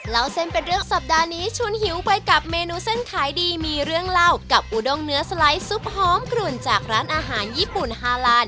เล่าเส้นเป็นเรื่องสัปดาห์นี้ชวนหิวไปกับเมนูเส้นขายดีมีเรื่องเล่ากับอุดงเนื้อสไลด์ซุปหอมกลุ่นจากร้านอาหารญี่ปุ่นฮาลาน